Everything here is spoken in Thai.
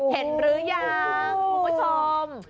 เห็นหรือยังคุณผู้ชม